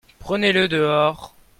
Prenez-le dehors.